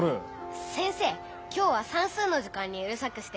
先生今日は算数の時間にうるさくしてすみませんでした。